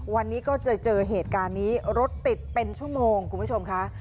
วันนี้ก็เจอเหตุการณ์นี้รถติดเป็นชั่วโมงคุณผู้ชมค่ะ